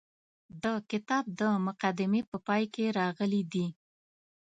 د کتاب د مقدمې په پای کې راغلي دي.